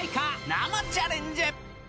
生チャレンジ。